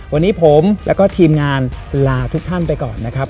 วันนี้ผมแล้วก็ทีมงานลาทุกท่านไปก่อนนะครับ